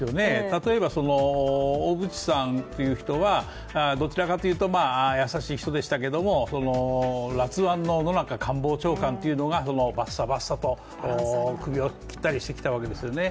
例えば小渕さんという人は、どちらかというと優しい人でしたけれども辣腕の野中官房長官がバッサバッサと首を切ったりしてきたわけですね。